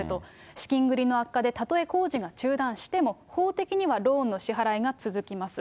資金繰りの悪化で、たとえ工事が中断しても、法的にはローンの支払いが続きます。